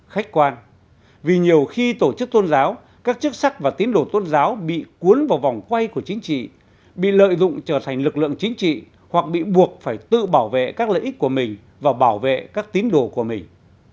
khách quan vì nhiều khi tổ chức tôn giáo các chức sắc và tín đồ tôn giáo bị cuốn vào vòng quay của chính trị bị lợi dụng trở thành lực lượng chính trị hoặc bị buộc phải tự bảo vệ các lợi ích của mình và bảo vệ các tín đồ của mình